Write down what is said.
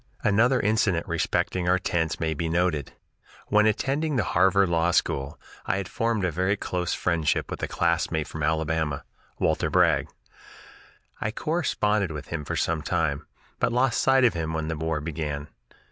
Another incident respecting our tents may be noted. When attending the Harvard Law School, I had formed a very close friendship with a classmate from Alabama, Walter Bragg. I corresponded with him for some time, but lost sight of him when the war began.